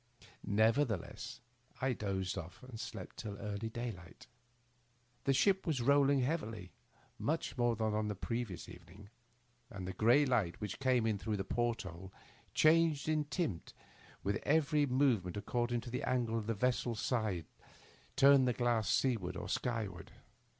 Nev ertheless I dozed off and slept till early daylight. The ship was rolling heavily, much more than on the previous evening, and the gray light which came in through the port hole changed in tint with every move ment according as the angle of the vessel's side turned the glass seaward or skyward.